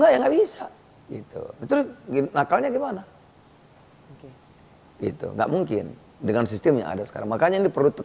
yang bisa gitu gitu gimana itu enggak mungkin dengan sistem yang ada sekarang makanya di perut